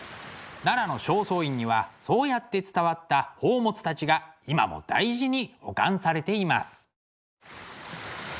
奈良の正倉院にはそうやって伝わった宝物たちが今も大事に保管されています。